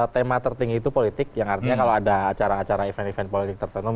tema tertinggi itu politik yang artinya kalau ada acara acara event event untuk hoaks itu bisa masuk seperti itu